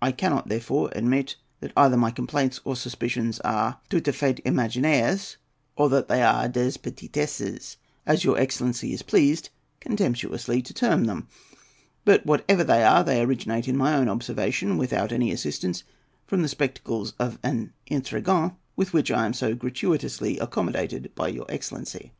I cannot, therefore, admit that either my complaints or suspicions are "tout a fait imaginaires," or that they are "des petitesses," as your excellency is pleased contemptuously to term them; but whatever they are, they originate in my own observation, without any assistance from the spectacles of an "intrigant," with which I am so gratuitously accommodated by your excellency.